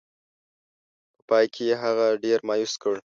په پای کې یې هغه ډېر مایوس کړ.